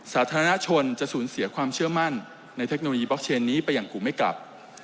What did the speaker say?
สาธารณชนจะสูญเสียความเชื่อมั่นในเทคโนโลยีบล็อกเชนนี้ไปอย่างกลุ่มไม่กลับ